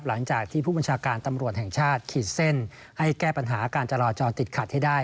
หลังจากที่ผู้บัญชาการตำรวจแห่งชาติขีดเส้นให้แก้ปัญหาการจราจรติดขัดให้ได้